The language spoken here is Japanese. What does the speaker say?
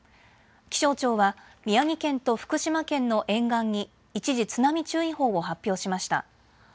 気象庁は宮城県と福島県の沿岸に一時、津波注意報を発表しました。